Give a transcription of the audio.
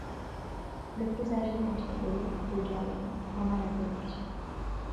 Le plus âgé d'entre eux, le doyen, en a la direction.